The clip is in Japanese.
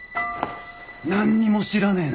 何にも知らねえの？